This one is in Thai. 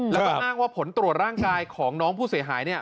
แล้วก็อ้างว่าผลตรวจร่างกายของน้องผู้เสียหายเนี่ย